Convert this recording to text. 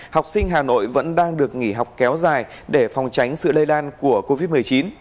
học sinh hà nội vẫn đang được nghỉ học kéo dài để phòng tránh sự lây lan của covid một mươi chín